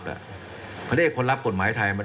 จะเจปัสรวัสดีก่อน